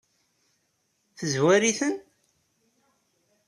Tezwar-iten?